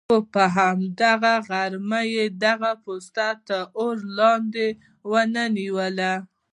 خو په هماغه غرمه یې دغه پوسته تر اور لاندې ونه نیوله.